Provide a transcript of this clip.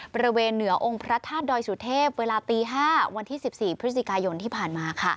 บริเวณเหนือองค์พระธาตุดอยสุเทพเวลาตี๕วันที่๑๔พฤศจิกายนที่ผ่านมา